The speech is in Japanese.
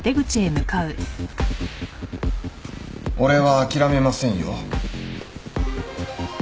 俺は諦めませんよ。